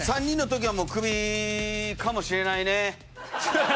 ３人の時はクビかもしれないね。